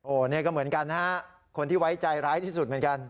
นี่ก็เหมือนกันนะฮะคนที่ไว้ใจร้ายที่สุดเหมือนกัน